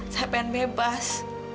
saya pengen bebas